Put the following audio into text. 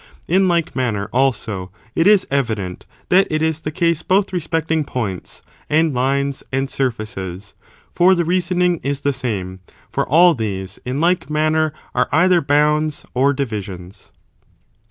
In like manner, also, it is evident that it is the case both respecting points, and lines, and surfaces, for the reasoning is the same ; for all these, in like manner, are either bounds or divisions.